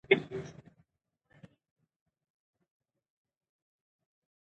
د مېلو پر مهال ټولنه د یووالي احساس کوي.